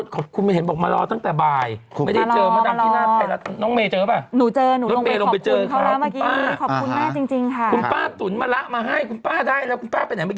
ขอบคุณมากครับ